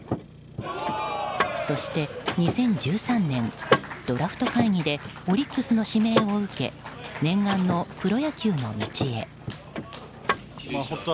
そして２０１３年ドラフト会議でオリックスの指名を受け念願のプロ野球の道へ。